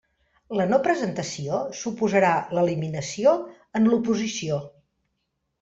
La no presentació suposarà l'eliminació en l'oposició.